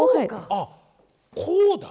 あっこうだ。